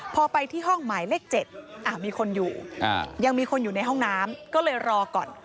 พอไปที่ห้องหมายเลข๗มีคนอยู่ยังมีคนอยู่ในห้องน้ำก็เลยรอก่อน